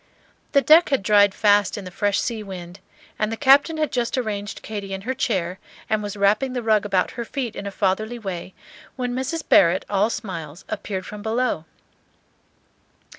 The deck had dried fast in the fresh sea wind, and the Captain had just arranged Katy in her chair, and was wrapping the rug about her feet in a fatherly way, when Mrs. Barrett, all smiles, appeared from below.